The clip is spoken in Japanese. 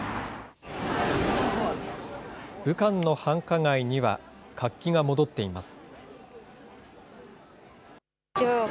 武漢の繁華街には、活気が戻っています。